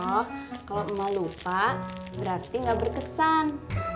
oh kalau emak lupa berarti enggak berkesan